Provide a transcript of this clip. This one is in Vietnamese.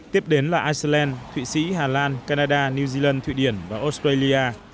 tiếp đến là iceland thụy sĩ hà lan canada new zealand thụy điển và australia